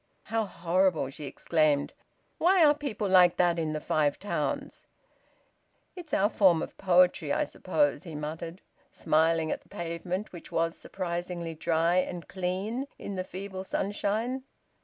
"How horrible!" she exclaimed. "Why are people like that in the Five Towns?" "It's our form of poetry, I suppose," he muttered, smiling at the pavement, which was surprisingly dry and clean in the feeble sunshine.